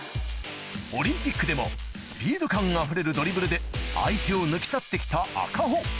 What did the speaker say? オリンピックでもスピード感あふれるドリブルで相手を抜き去って来た赤穂